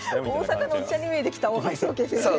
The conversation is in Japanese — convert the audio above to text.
大阪のおっちゃんに見えてきた大橋宗桂先生が。